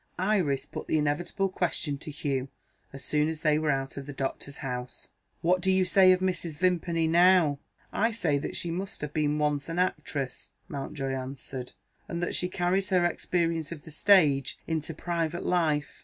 Iris put the inevitable question to Hugh as soon as they were out of the doctor's house "What do you say of Mrs. Vimpany now?" "I say that she must have been once an actress," Mountjoy answered; "and that she carries her experience of the stage into private life."